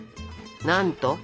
なんと。